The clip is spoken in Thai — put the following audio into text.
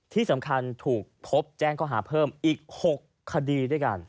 ที่สำคัญถูกพบแจ้งข้อหาเพิ่มอีก๖คดีด้วยกัน